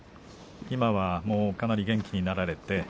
今はもうかなり元気になられて。